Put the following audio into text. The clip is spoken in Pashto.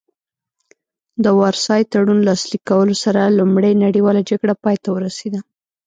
د وارسای تړون لاسلیک کولو سره لومړۍ نړیواله جګړه پای ته ورسیده